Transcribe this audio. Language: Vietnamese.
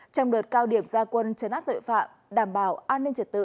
trong đợt cao điểm gia quân chấn át tội phạm đảm bảo an ninh trật tự